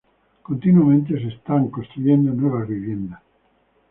Continuamente se están construyendo nuevas viviendas.